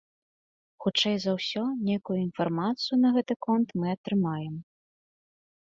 Хутчэй за ўсё, нейкую інфармацыю на гэты конт мы атрымаем.